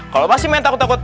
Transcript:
kalau pasti main takut takut